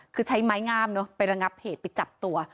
คือใช้ไม้งามนะไปละเกอบเพศไปจับตัว